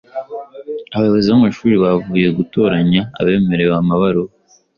Abayobozi b’amashuri bavuye gutoranya abemerewe amabaruwa;